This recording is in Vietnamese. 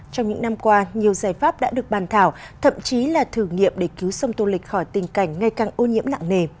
trong những năm qua nhiều giải pháp đã được bàn thảo thậm chí là thử nghiệm để cứu sông tô lịch khỏi tình cảnh ngay càng ô nhiễm lạng nề